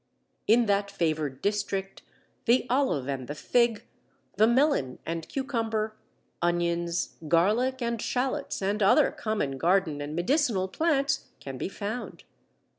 " In that favoured district, the olive and the fig, the melon and cucumber, onions, garlic, and shallots, and other common garden and medicinal plants, can be found.